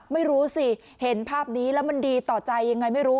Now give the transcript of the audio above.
ไม่รู้สิเห็นภาพนี้แล้วมันดีต่อใจยังไงไม่รู้